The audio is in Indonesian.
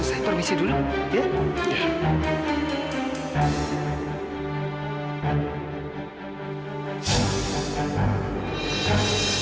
oh saya permisi dulu ya